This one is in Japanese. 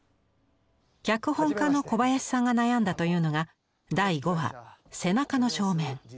脚本家の小林さんが悩んだというのが第５話「背中の正面」。